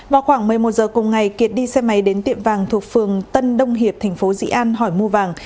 vào khoảng một mươi một giờ cùng ngày kiệt đi xe máy đến tiệm vàng thuộc phường tân đông hiệp thành phố dị an hỏi mua vàng